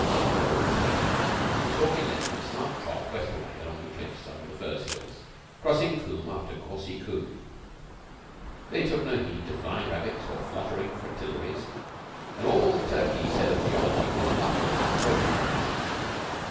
They all sweated; for Stalky led them at a smart trot west away along the cliffs under the furze hills, crossing combe after gorzy combe. They took no heed to flying rabbits or fluttering fritillaries, and all that Turkey said of geology was utterly unquotable.